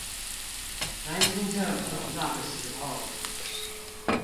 南京政府那個時候